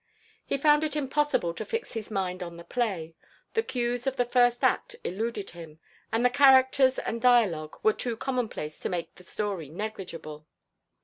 He found it impossible to fix his mind on the play; the cues of the first act eluded him, and the characters and dialogue were too commonplace to make the story negligible.